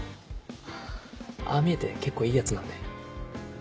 ああ見えて結構いいヤツなんで。